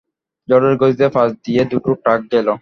ঝড়ের গতিতে পাশ দিয়ে দুটো ট্রাক গেল।